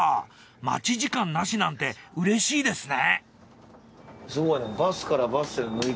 待ち時間なしなんてうれしいですね。